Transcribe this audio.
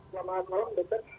selamat malam dokter